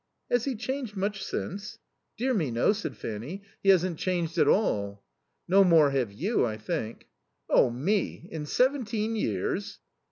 "Has he changed much since?" "Dear me, no," said Fanny. "He hasn't changed at all." "No more have you, I think." "Oh, me in seventeen years!"